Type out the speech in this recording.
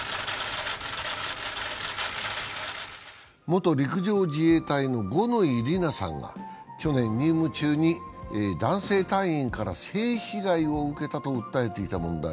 元陸上自衛隊員の五ノ井里奈さんが去年、任務中に男性隊員から性被害を受けたと訴えていた問題。